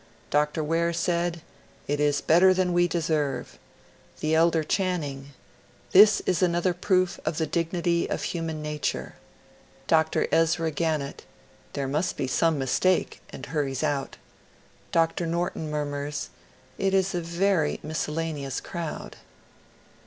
Dr. Ware said, ^* It is better than we deserve ;" the elder Chan ning, ^^ This is another proof of the dignity of human na ture ;" Dr. Ezra Gannett, ^^ There must be some mistake,'' and hurries out ; Dr. Norton murmurs, '^ It is a very miscel laneous •rowd.''